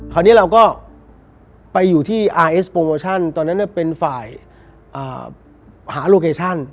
คันนี้เราก็ไปอยู่ที่ตอนนั้นเนี่ยเป็นฝ่ายอ่าหาโลแกชั่น